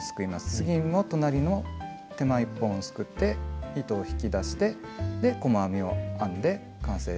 次も隣の手前１本をすくって糸を引き出して細編みを編んで完成です。